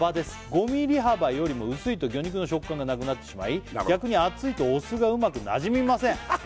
５ミリ幅よりも薄いと魚肉の食感がなくなってしまい逆に厚いとお酢がうまくなじみません